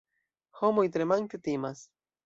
Homoj tremante timas.